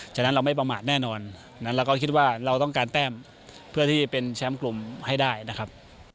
ฉะนั้นเราไม่ประมาทแน่นอนเราก็คิดว่าเราต้องการแต้มเพื่อที่เป็นแชมป์กลุ่มให้ได้นะครับ